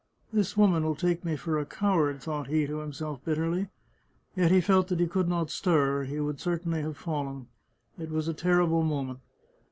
" This woman will take me for a coward," thought he to himself bitterly. Yet he felt that he could not stir; he would certainly have fallen. It was a terrible moment.